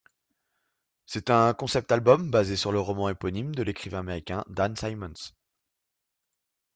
C'est un concept-album basé sur le roman éponyme de l'écrivain américain Dan Simmons.